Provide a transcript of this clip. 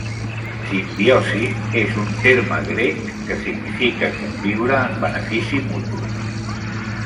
"Simbiosi" és un terme grec que significa "conviure en benefici mutu".